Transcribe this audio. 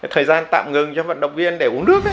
thời gian tạm ngừng cho vận động viên để uống nước